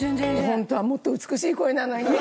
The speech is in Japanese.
本当はもっと美しい声なのにね。